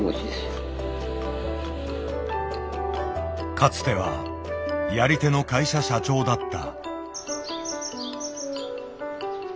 かつてはやり手の会社社長だった。